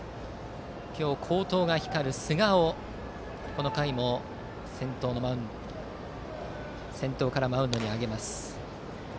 今日、好投が光る寿賀をこの回も、先頭からマウンドに上げます。